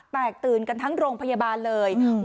แตกตื่นกันทั้งโรงพยาบาลเลย